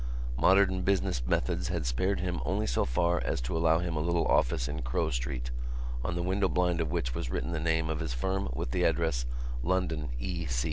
Modern business methods had spared him only so far as to allow him a little office in Crowe Street on the window blind of which was written the name of his firm with the address—London, E.